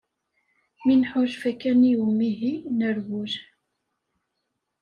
Mi nḥulfa kan i umihi nerwel.